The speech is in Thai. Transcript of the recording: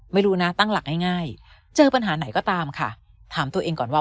ไม่รู้นะตั้งหลักง่ายเจอปัญหาไหนก็ตามค่ะถามตัวเองก่อนว่า